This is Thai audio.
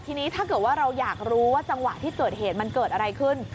ทีนี้ถ้าเกิดว่าเราอยากรู้ว่าจังหวะที่เกิดเหตุมันเกิดอะไรขึ้น